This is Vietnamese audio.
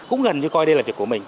cũng gần như coi đây là việc của mình